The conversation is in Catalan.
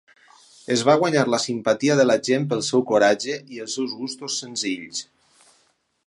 Es va guanyar la simpatia de la gent pel seu coratge i els seus gustos senzills.